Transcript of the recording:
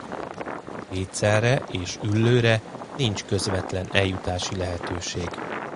Pécelre és Üllőre nincs közvetlen eljutási lehetőség.